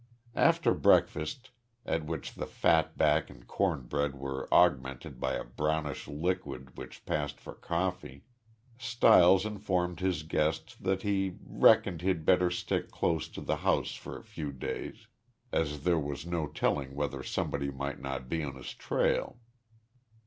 After breakfast, at which the fat back and corn bread were augmented by a brownish liquid which passed for coffee, Stiles informed his guest that he "reckoned he'd better stick close to th' house fer a few days," as there was no telling whether somebody might not be on his trail.